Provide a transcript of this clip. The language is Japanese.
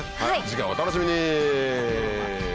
次回お楽しみに！